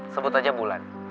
sebut aja bulan